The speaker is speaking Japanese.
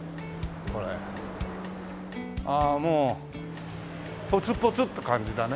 ああもうぽつぽつって感じだね。